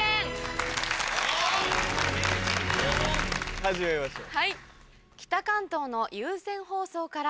始めましょう。